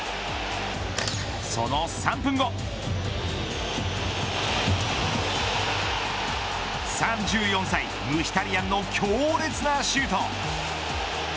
その３分後３４歳ムヒタリヤンの強烈なシュート。